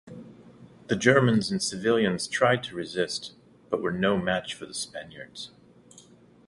The Germans and civilians tried to resist, but were no match for the Spaniards.